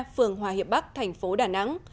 phường hòa hiệp bắc thành phố đà nẵng